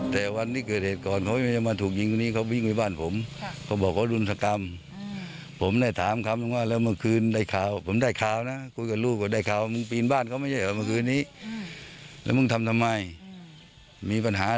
เขาเคยมาบอกเราแต่เราก็เฉยถือว่ายาดกันใช่ไหม